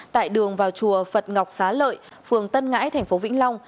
tại đường vào chùa phật ngọc xá lợi phường tân ngãi thành phố vĩnh long